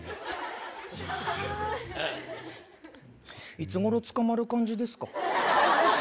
いつごろ捕まる感じですか。